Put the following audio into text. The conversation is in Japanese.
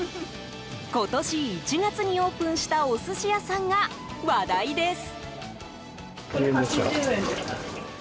今年１月にオープンしたお寿司屋さんが話題です。